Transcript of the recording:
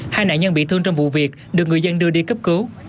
hai nạn nhân bị thương trong vụ việc được người dân đưa đi cấp cứu